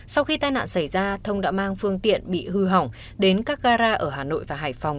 sau khi tai nạn xảy ra thông đã mang phương tiện bị hư hỏng đến các gara ở hà nội và hải phòng